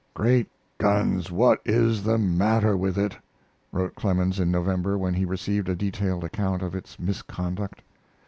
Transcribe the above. "Great guns, what is the matter with it?" wrote Clemens in November when he received a detailed account of its misconduct.